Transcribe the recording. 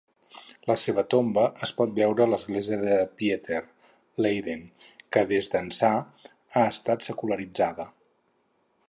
La seva tomba es pot veure a l'església de Pieter, Leiden, que des d'ençà ha estat secularitzada.